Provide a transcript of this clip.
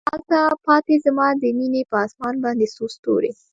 هلته پاته زما د میینې په اسمان باندې څو ستوري